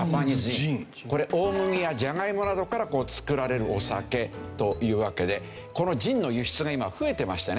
これ大麦やジャガイモなどから造られるお酒というわけでこのジンの輸出が今増えてましてね